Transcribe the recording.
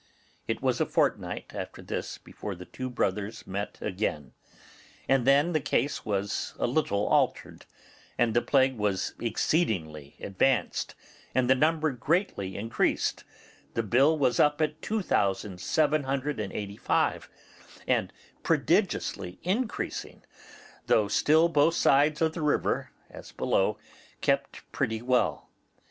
It was a fortnight after this before the two brothers met again, and then the case was a little altered, and the plague was exceedingly advanced and the number greatly increased; the bill was up at 2785, and prodigiously increasing, though still both sides of the river, as below, kept pretty well.